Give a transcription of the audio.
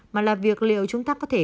mà là việc liệu chúng ta có thể